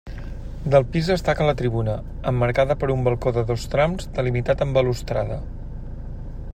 Del pis destaca la tribuna, emmarcada per un balcó de dos trams delimitat amb balustrada.